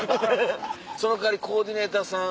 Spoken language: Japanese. その代わりコーディネーターさん